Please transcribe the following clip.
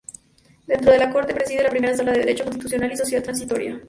Dentro de la Corte, preside la Primera Sala de Derecho Constitucional y Social Transitoria.